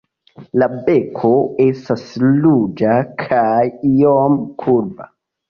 La beko estas ruĝa kaj iome kurba.